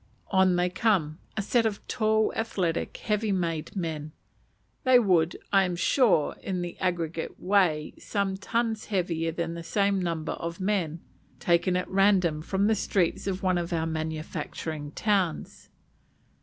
On they come, a set of tall, athletic, heavy made men; they would, I am sure, in the aggregate weigh some tons heavier than the same number of men taken at random from the streets of one of our manufacturing towns.